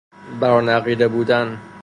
بر آن عقیده بودن